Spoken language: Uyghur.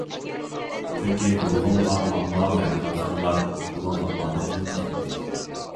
چۈنكى نۇرغۇنلىغان ئامما ۋە كارخانىلار بۇنىڭغا ئادەتلىنىپ كەتتى.